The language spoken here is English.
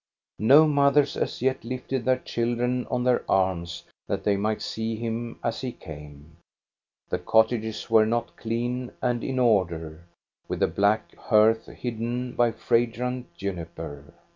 No mothers as yet lifted their chil dren on their arms that they might see him as he came. The cottages were not clean and in order, with the black hearth hidden by fragrant juniper.